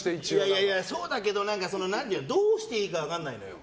いやいや、そうだけどどうしていいか分かんないのよ。